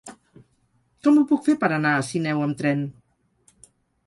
Com ho puc fer per anar a Sineu amb tren?